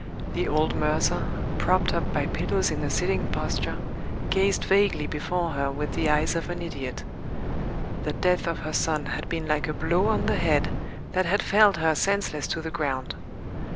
The old mercer, propped up by pillows in a sitting posture, gazed vaguely before her with the eyes of an idiot. The death of her son had been like a blow on the head that had felled her senseless to the ground.